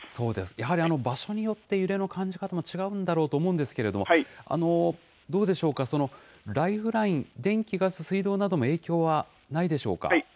やはり場所によって揺れの感じ方も違うんだろうと思うんですけれども、どうでしょうか、ライフライン、電気、ガス、水道なども影響はないでしょ